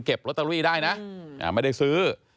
ลอตเตอรี่ได้นะไม่ได้ซื้อ